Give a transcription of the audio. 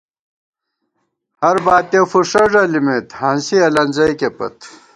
ہرباتِیَہ فُݭہ ݫَلِمېت، ہانسی النزَئیکےپت